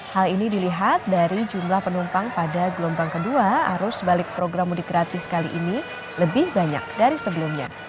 hal ini dilihat dari jumlah penumpang pada gelombang kedua arus balik program mudik gratis kali ini lebih banyak dari sebelumnya